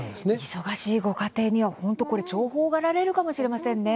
忙しいご家庭には、本当重宝がられるかもしれませんね。